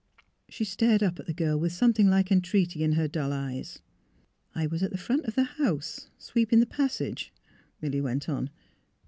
She stared up at the girl with something like entreaty in her dull eyes. '' I was at the front of the house, sweeping the passage," Milly went on.